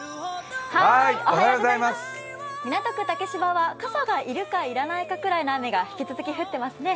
港区竹芝は傘が要るか、要らないかくらいの雨が引き続き降ってますね。